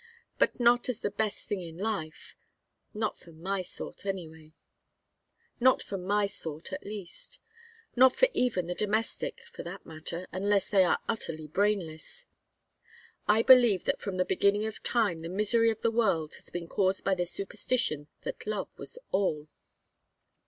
But not as the best thing in life; not for my sort at least. Not for even the domestic, for that matter, unless they are utterly brainless. I believe that from the beginning of time the misery of the world has been caused by the superstition that love was all.